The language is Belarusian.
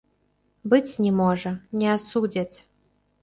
Быць не можа, не асудзяць.